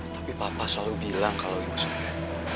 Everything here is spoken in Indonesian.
tapi papa selalu bilang kalau ibu saya